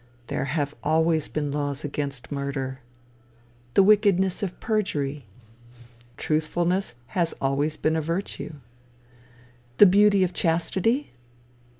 there have always been laws against murder. The wickedness of perjury? truthfulness has always been a virtue. The beauty of chastity?